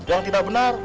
orang tidak benar